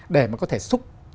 để có thể súc